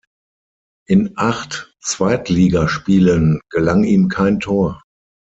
In acht Zweitligaspielen gelang ihm kein Tor.